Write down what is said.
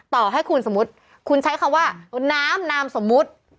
ต่อให้คุณสมมุติคุณใช้คำว่าน้ำนามสมมุติ